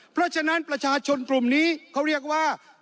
เพราะฉะนั้นประชาชนกลุ่มนี้เขาเรียกว่า